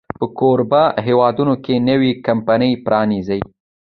په کوربه هېواد کې نوې کمپني پرانیزي.